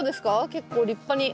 結構立派に。